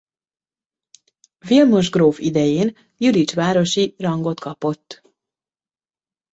Vilmos gróf idején Jülich városi rangot kapott.